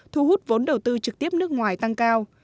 thu hút vốn đầu tư trực tiếp nước ngoài tăng cao